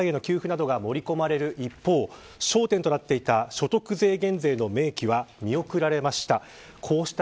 低所得世帯への給付などが盛り込まれる一方焦点となっていた所得減税の明記は見送られました。